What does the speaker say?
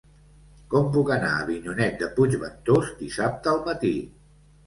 Com puc anar a Avinyonet de Puigventós dissabte al matí?